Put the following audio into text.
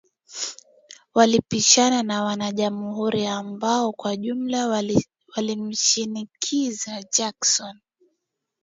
Walipishana na wanajamuhuri ambao kwa ujumla walimshinikiza Jackson